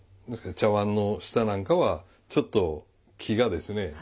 ですから茶碗の下なんかはちょっと木がですね